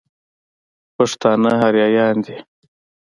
پښتانه اريايان دي.